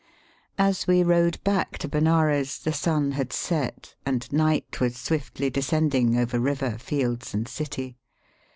As we rowed back to Benares the sun had set, and night was swiftly descending over river, fields, and city.